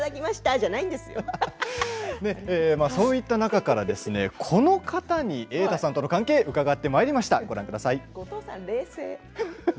そういった中からこの方に瑛太さんとの関係伺ってきました。